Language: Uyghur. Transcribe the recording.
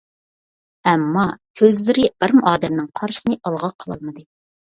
ئەمما كۆزلىرى بىرمۇ ئادەمنىڭ قارىسىنى ئىلغا قىلالمىدى.